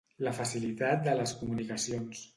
La facilitat de les comunicacions.